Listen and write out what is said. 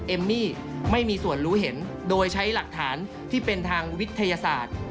เอมมี่ไม่มีส่วนรู้เห็นโดยใช้หลักฐานที่เป็นทางวิทยาศาสตร์